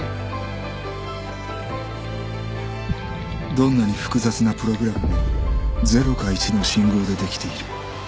どんなに複雑なプログラムも０か１の信号でできている